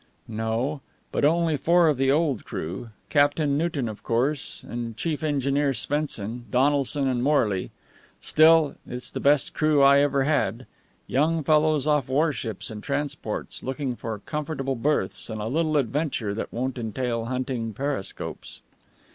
"No. But only four of the old crew Captain Newton, of course, and Chief Engineer Svenson, Donaldson, and Morley. Still, it's the best crew I ever had: young fellows off warships and transports, looking for comfortable berths and a little adventure that won't entail hunting periscopes."